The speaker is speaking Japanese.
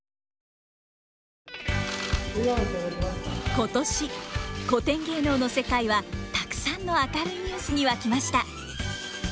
今年古典芸能の世界はたくさんの明るいニュースに沸きました！